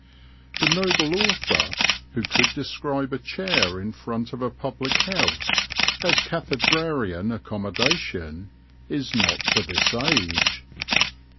The noble author, who could describe a chair in front of a public house as "cathedrarian accommodation," is not for this age.